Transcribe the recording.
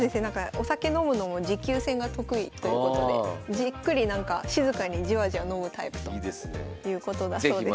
お酒飲むのも持久戦が得意ということでじっくり静かにじわじわ飲むタイプということだそうです。